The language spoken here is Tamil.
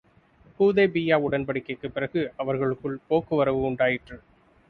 ஹூதைபிய்யா உடன்படிக்கைக்குப் பிறகு, அவர்களுக்குள் போக்குவரவு உண்டாயிற்று.